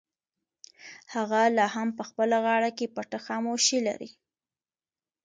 هغه لا هم په خپله غاړه کې پټه خاموشي لري.